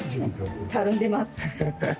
たるんでます。